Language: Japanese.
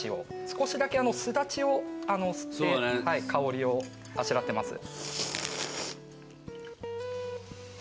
少しだけスダチをすって香りをあしらってます。